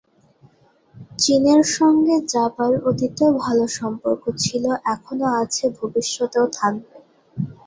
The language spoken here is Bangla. চীনের সঙ্গে জাপার অতীতেও ভালো সম্পর্ক ছিল, এখনো আছে, ভবিষ্যতেও থাকবে।